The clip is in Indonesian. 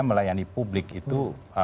melayani publik itu